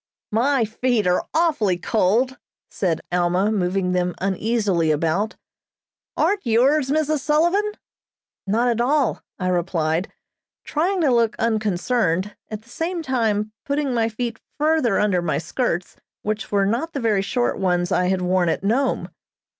"My feet are awfully cold," said Alma, moving them uneasily about. "Aren't yours, Mrs. Sullivan?" "Not at all," I replied, trying to look unconcerned, at the same time putting my feet further under my skirts, which were not the very short ones I had worn at Nome.